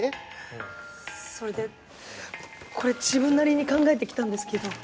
それでこれ自分なりに考えてきたんですけど。